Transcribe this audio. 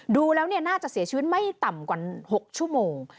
ดูแล้วน่าจะเสียชีวิตไม่ต่ำกว่า๖ชั่วโมง